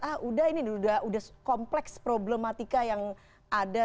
ah udah ini udah kompleks problematika yang ada